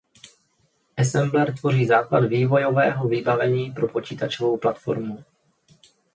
Assembler tvoří základ vývojového vybavení pro počítačovou platformu.